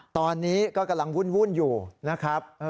ตอนนี้ก็กำลังวุ่นอยู่นะครับ